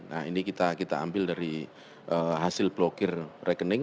nah ini kita ambil dari hasil blokir rekening